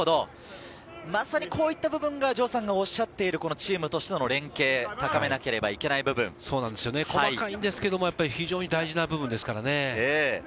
まさに、こういった部分が城さんのおっしゃっているチームとしての細かいですけど非常に大事な部分ですからね。